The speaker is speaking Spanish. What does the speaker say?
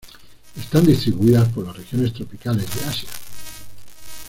Están distribuidas por las regiones tropicales de Asia.